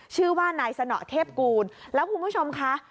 ชื่อว่านายสนเทพกูลแล้วคุณผู้ชมคะ